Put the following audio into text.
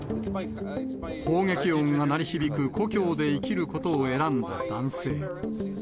砲撃音が鳴り響く故郷で生きることを選んだ男性。